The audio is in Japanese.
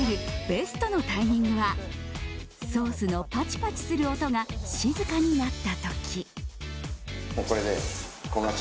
ベストのタイミングはソースのパチパチする音が静かになった時。